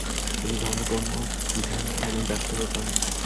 তিনি ধর্মকর্ম দানাধ্যানে ব্যস্ত হয়ে পড়েন।